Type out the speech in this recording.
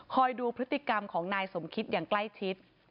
ดูพฤติกรรมของนายสมคิดอย่างใกล้ชิด